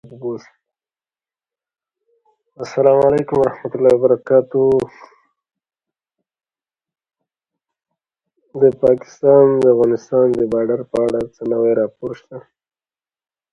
د هغه فکر بايد نوي نسل ته ورسول شي.